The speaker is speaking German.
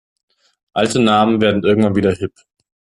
Alte Namen werden irgendwann wieder hip.